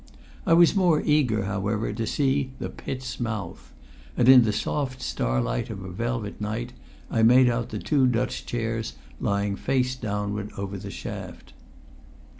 I was more eager, however, to see "the pit's mouth," and in the soft starlight of a velvet night I made out the two Dutch chairs lying face downward over the shaft.